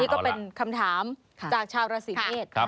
ก็เป็นคำถามจากชาวราศีเมษ